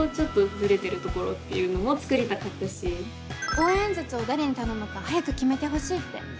応援演説を誰に頼むか早く決めてほしいって。